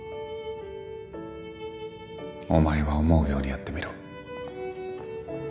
お前は思うようにやってみろ。